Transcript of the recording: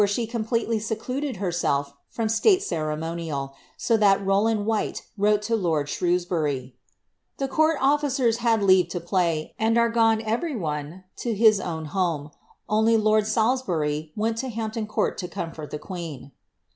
i» (■nniplelely eectuded herself from awie eeremonisl, so that Rowlurf "\\'li\ie wrote lo lord Shrewehury, '• the court officers hod leuve to phj, and are gone every one to his own home ; only lord Saliabury wtoi Id Hampton Court to comfort ihe queen."